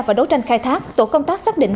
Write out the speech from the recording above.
và đấu tranh khai thác tổ công tác xác định